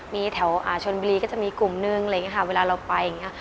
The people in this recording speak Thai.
มีแถวชนบุรีก็จะมีกลุ่มนึงอะไรอย่างนี้ค่ะเวลาเราไปอย่างนี้